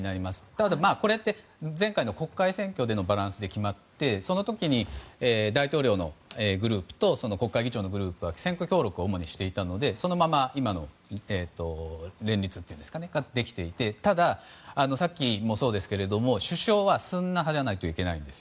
だけど、これって前回の国会選挙でのバランスで決まって、その時大統領のグループと国会議長のグループが選挙登録をしていたのでそのまま今の連立ができていてただ、さっきもそうですが首相はスンニ派じゃないといけないんです。